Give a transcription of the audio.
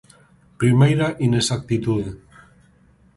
Primeira inexactitude.